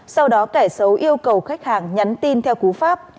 sau đó kẻ xấu yêu cầu khách hàng nhắn tin theo cú pháp